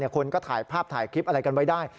คนก็ถ่ายภาพถ่ายคลิปอะไรกันไว้ได้